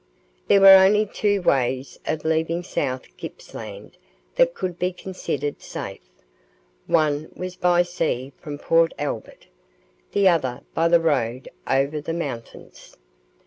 There were only two ways of leaving South Gippsland that could be considered safe; one was by sea from Port Albert, the other by the road over the mountains.